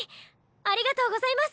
ありがとうございます！